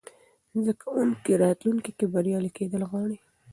زده کوونکي راتلونکې کې بریالي کېدل غواړي.